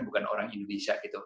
bukan orang indonesia gitu